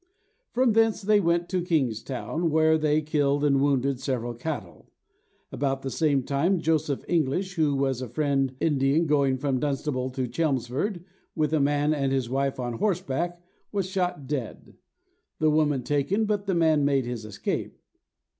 _ "From thence they went to Kingstown, where they killed and wounded several cattle. About the same time, Joseph English, who was a friend Indian, going from Dunstable to Chelmsford, with a man and his wife on horseback, was shot dead; the woman taken, but the man made his escape.